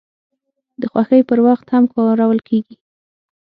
د خوښۍ پر وخت هم کارول کیږي.